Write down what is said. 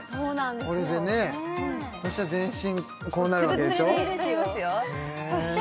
これでねそうしたら全身こうなるわけでしょ